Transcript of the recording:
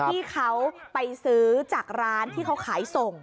ที่เขาไปซื้อจากร้านที่เขาขายส่ง